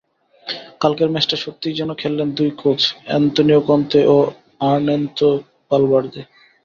কালকের ম্যাচটা সত্যিই যেন খেললেন দুই কোচ অ্যান্তনীয় কন্তে ও আরনেস্তো ভালভার্দে।